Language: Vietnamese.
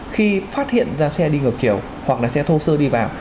khi phát hiện ra xe đi ngược chiều hoặc là xe thô sơ đi vào